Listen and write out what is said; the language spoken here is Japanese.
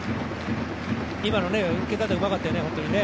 今の受け方、本当にうまかったよね。